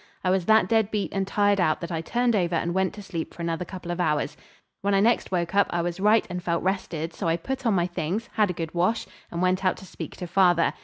I was that dead beat and tired out that I turned over and went to sleep for another couple of hours. When I next woke up I was right and felt rested, so I put on my things, had a good wash, and went out to speak to father.